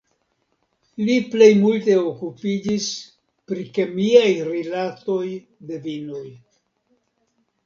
Li plej multe okupiĝis pri kemiaj rilatoj de vinoj.